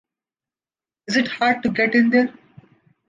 Is it as hard to get in there?